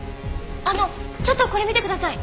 あのちょっとこれ見てください！